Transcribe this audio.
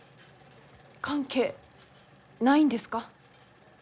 関係ないんですか？